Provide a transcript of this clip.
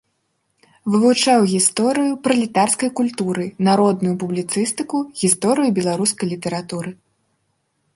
Вывучаў гісторыю пралетарскай культуры, народную публіцыстыку, гісторыю беларускай літаратуры.